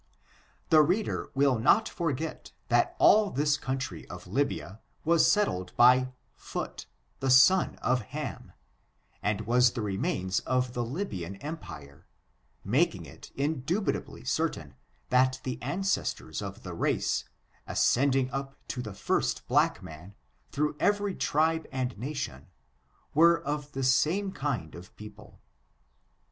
The reader will not forget that all this country of Lybia was settled by Phut, the son of Ham, and was the remains of the Lybian empire, making it in dubitably certain that the ancestors of the race, as cending up to the first black man, through every tribe and nation, were of the same kind of people.